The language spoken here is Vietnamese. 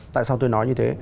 tại sao tôi nói như thế